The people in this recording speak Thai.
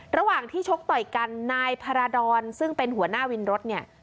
ระหว่างที่ชกต่อยกันนายพาราดรซึ่งเป็นหัวหน้าวินรถเนี่ย